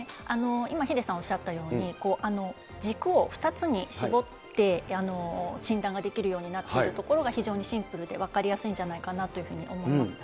今、ヒデさんおっしゃったように、軸を２つに絞って診断ができるようになっているところが非常にシンプルで分かりやすいんじゃないかなというふうに思います。